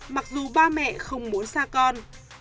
mặc dù ba mẹ không muốn xa con